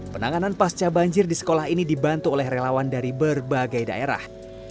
penanganan pasca banjir di sekolah ini dibantu oleh relawan dari berbagai daerah